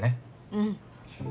うん。